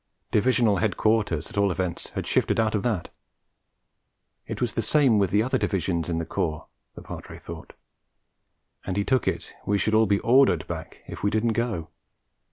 Divisional Headquarters, at all events, had shifted out of that; it was the same with the other Divisions in the Corps, the Padre thought; and he took it we should all be ordered back if we didn't go!